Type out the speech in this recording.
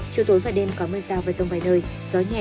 chiều tối và đêm có mưa rào và rông vài nơi gió nhẹ